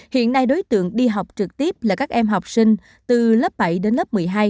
hiện nay đối tượng đi học trực tiếp là các em học sinh từ lớp bảy đến lớp một mươi hai